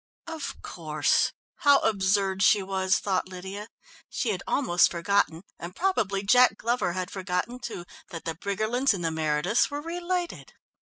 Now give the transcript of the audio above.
Of course! How absurd she was, thought Lydia. She had almost forgotten, and probably Jack Glover had forgotten too, that the Briggerlands and the Merediths were related.